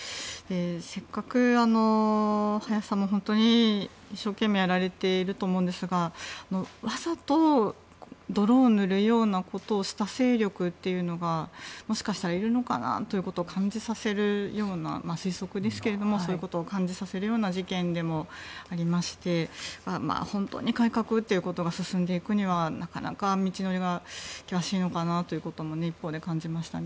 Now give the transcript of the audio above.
せっかく林さんも本当に一生懸命やられていると思うんですがわざと泥を塗るようなことをした勢力というのがもしかしたらいるのかなということを感じさせるような推測ですけれどもそういうことを感じさせるような事件でもありまして本当に改革ということが進んでいくにはなかなか道のりが険しいのかなということも一方で感じましたね。